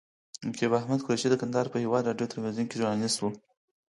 نقیب احمد قریشي د کندهار په هیواد راډیو تلویزیون کې ژورنالیست و.